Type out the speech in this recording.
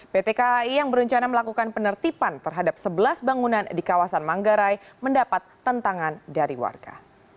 pt kai yang berencana melakukan penertiban terhadap sebelas bangunan di kawasan manggarai mendapat tentangan dari warga